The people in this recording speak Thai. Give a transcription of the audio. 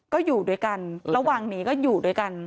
ก็อยู่ด้วยกันระหว่างหนีก็อยู่ด้วยกัน